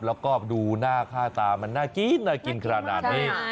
แล้วก็ดูหน้าค่าตามันน่ากินน่ากินขนาดนี้